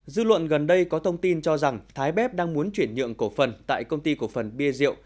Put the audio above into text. dư luận gần đây có thông tin cho rằng thái bép đang muốn chuyển nhượng cổ phần tại công ty cổ phần bia rượu